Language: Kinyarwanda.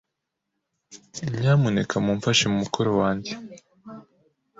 Nyamuneka mumfashe mukoro kanjye.